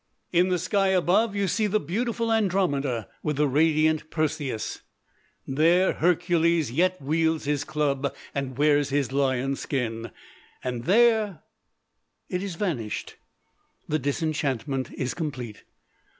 In the sky above you see the beautiful Andromeda with the radiant Perseus. There Hercules yet wields his club and wears his lion skin. And there It is vanished. The disenchantment is complete.